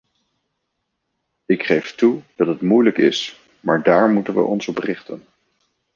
Ik geef toe dat het moeilijk is, maar daar moeten we ons op richten.